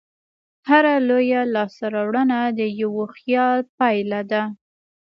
هره لویه لاستهراوړنه د یوه خیال پایله ده.